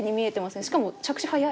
しかも着手早い。